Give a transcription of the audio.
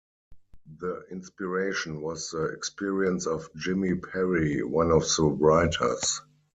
The inspiration was the experience of Jimmy Perry, one of the writers.